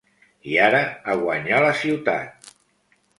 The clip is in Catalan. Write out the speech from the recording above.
I ara, a guanyar la ciutat!